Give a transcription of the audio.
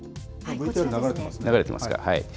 流れてますか。